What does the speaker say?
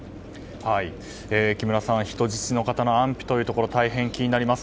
木村さん、人質の方の安否大変気になります。